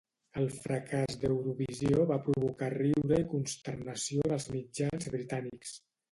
El fracàs d'Eurovisió va provocar riure i consternació en els mitjans britànics.